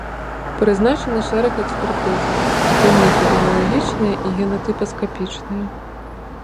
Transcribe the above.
Прызначаны шэраг экспертызаў, у тым ліку біялагічная і генатыпаскапічная.